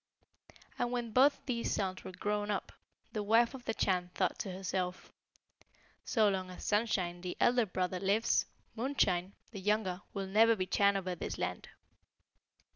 And when both these sons were grown up, the wife of the Chan thought to herself, 'So long as Sunshine, the elder brother, lives, Moonshine, the younger, will never be Chan over this land.'